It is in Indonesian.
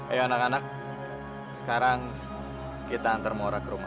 ayo anak anak sekarang kita antar muara ke rumah